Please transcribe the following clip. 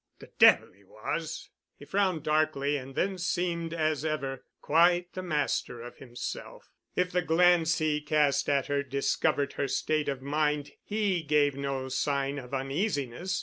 "The devil he was!" He frowned darkly and then seemed as ever, quite the master of himself. If the glance he cast at her discovered her state of mind, he gave no sign of uneasiness.